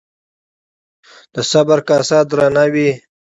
د صبر کاسه درانه وي